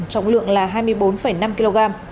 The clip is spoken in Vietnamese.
trọng lượng là hai mươi bốn năm kg